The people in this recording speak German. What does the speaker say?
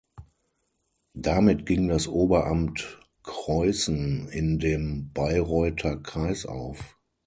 Damit ging das Oberamt Creußen in dem Bayreuther Kreis auf.